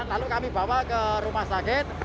lalu kami bawa ke rumah sakit